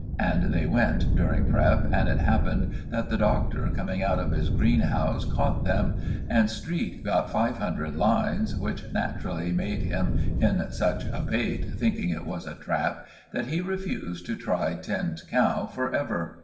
And they went, during prep., and it happened that the Doctor, coming out of his greenhouse, caught them; and Street got five hundred lines; which naturally made him in such a bate, thinking it was a trap, that he refused to try Tinned Cow for ever.